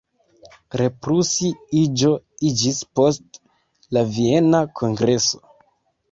Reprusi-iĝo iĝis post la Viena kongreso.